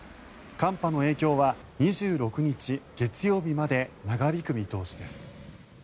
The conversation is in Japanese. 寒波の影響は２６日月曜日まで長引く見通しです。